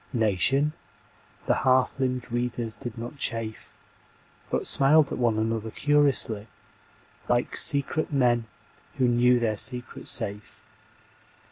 Nation? The half limbed readers did not chafe But smiled at one another curiously Like secret men who know their secret safe.